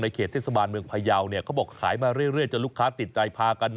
เขตเทศบาลเมืองพยาวเขาบอกขายมาเรื่อยจนลูกค้าติดใจพากัน